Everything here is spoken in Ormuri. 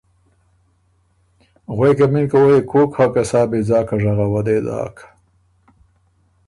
غوېکم اِن که او يې کوک هۀ که سا بېځاکه ژغه وه دې داک